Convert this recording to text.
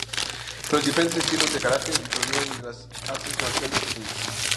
En los diferentes estilos de karate, y provienen de las artes marciales chinas.